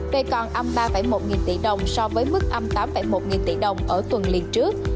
về còn âm ba một tỷ đồng so với mức âm tám một tỷ đồng ở tuần liên trước